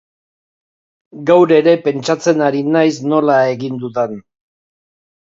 Gaur ere pentsatzen ari naiz nola egin dudan.